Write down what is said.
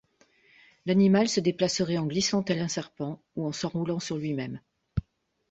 L’animal se déplacerait en glissant tel un serpent ou en s’enroulant sur lui-même.